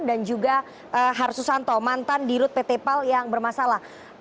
dan juga har susanto mantan di rut pt pal yang bermasalah